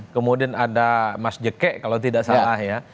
kemudian ada mas jake kalau tidak salah ya